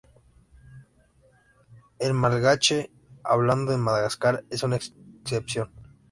El malgache, hablado en Madagascar, es una excepción.